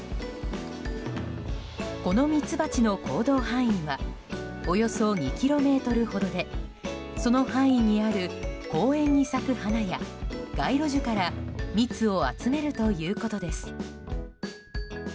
このミツバチの行動範囲はおよそ２ｋｍほどでその範囲にある公園に咲く花や街路樹から蜜を集めるということです。